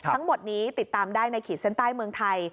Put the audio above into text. ทั้งหมดนี้ติดตามได้ในขีดเส้นใต้เมืองไทย